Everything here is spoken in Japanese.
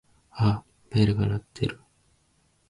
あっベルが鳴ってる。